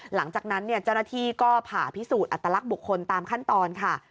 หลังจากนั้นเจ้าหน้าที่ก็ผ่าพิสูจน์อัตลักษณ์บุคคลตามขั้นตอนค่ะ